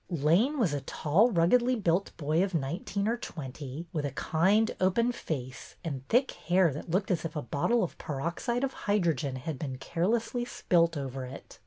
Lane was a tall, ruggedly built boy of nine teen or twenty, with a kind, open face and thick hair that looked as if a bottle of peroxide of hydrogen had been carelessly spilt over it.